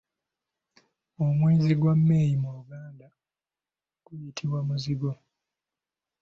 Omwezi gwa May mu luganda guyitibwa Muzigo.